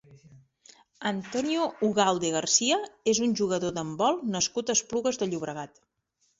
Antonio Ugalde García és un jugador d'handbol nascut a Esplugues de Llobregat.